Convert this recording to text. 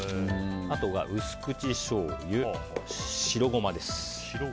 あとは薄口しょうゆ、白ゴマです。